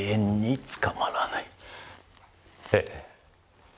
ええ。